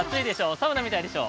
サウナみたいでしょ。